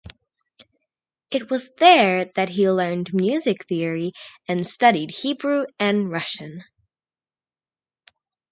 It was there that he learned music theory and studied Hebrew and Russian.